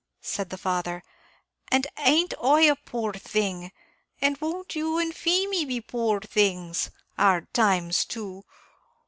said the father, "and aint I a poor thing? and won't you and Feemy be poor things? Hard times, too!